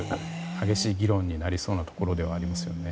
激しい議論になりそうなところではありますね。